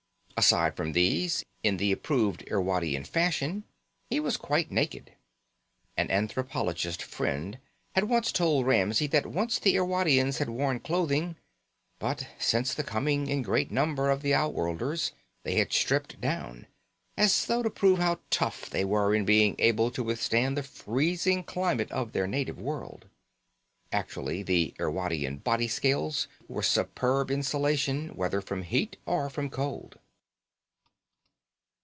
Aside from these, in the approved Irwadian fashion, he was quite naked. An anthropologist friend had once told Ramsey that once the Irwadians had worn clothing, but since the coming in great number of the outworlders they had stripped down, as though to prove how tough they were in being able to withstand the freezing climate of their native world. Actually, the Irwadian body scales were superb insulation, whether from heat or from cold.